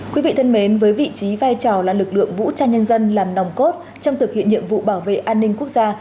quý vị thân mến với vị trí vai trò là lực lượng vũ trang nhân dân làm nòng cốt trong thực hiện nhiệm vụ bảo vệ an ninh quốc gia